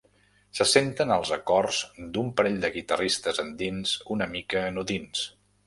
Se senten els acords d'un parell de guitarristes andins una mica anodins.